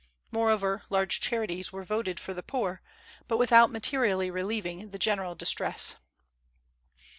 Moreover, large charities were voted for the poor, but without materially relieving the general distress.